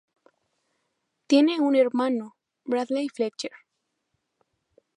Tiene un hermano, Bradley Fletcher.